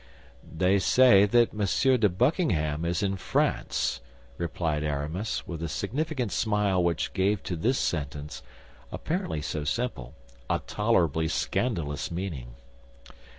"They say that Monsieur de Buckingham is in France," replied Aramis, with a significant smile which gave to this sentence, apparently so simple, a tolerably scandalous meaning.